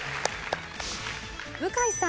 向井さん。